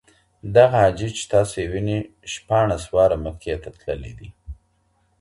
دغه حاجي چي تاسي وینئ شپاڼس واره مکې ته تللی دی.